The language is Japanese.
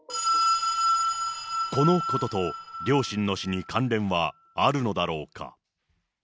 このことと両親の死に関連はあるのだろうか。